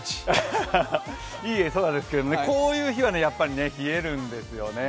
いい空ですけども、こういう日は冷えるんですよね。